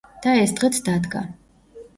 და ეს დღეც დადგა.